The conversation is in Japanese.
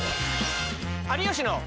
「有吉の」。